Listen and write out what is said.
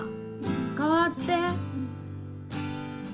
代わって！